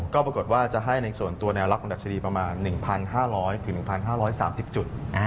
ก็ปรากฏว่าจะให้ในส่วนตัวแนวรับของดัชนีประมาณ๑๕๐๐๑๕๓๐จุด